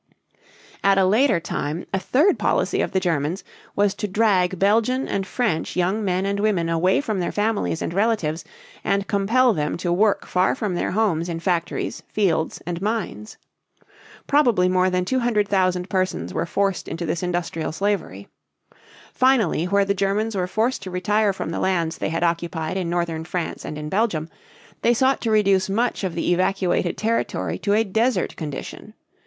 At a later time, a third policy of the Germans was to drag Belgian and French young men and women away from their families and relatives and compel them to work far from their homes in factories, fields, and mines. Probably more than two hundred thousand persons were forced into this industrial slavery. Finally, where the Germans were forced to retire from the lands they had occupied in northern France and in Belgium, they sought to reduce much of the evacuated territory to a desert condition.